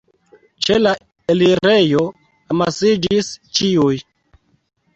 Ĉe la elirejo amasiĝis ĉiuj.